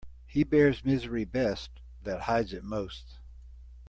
He bears misery best that hides it most.